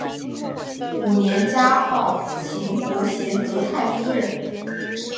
五年加号秦国贤德太夫人。